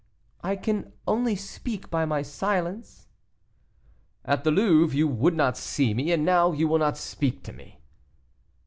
"I can only speak by my silence." "At the Louvre you would not see me, and now you will not speak to me."